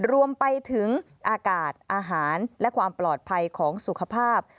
รวมไปถึงอากาศอาหารและความปลอดภัยของสุขภาพ